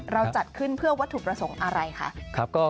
จัดขึ้นเพื่อวัตถุประสงค์อะไรคะ